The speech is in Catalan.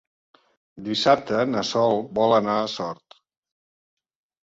Dissabte na Sol vol anar a Sort.